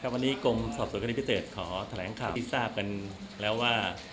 วันนี้กรมสอบสวนคดีพิเศษขอแถลงข่าวที่ทราบกันแล้วว่า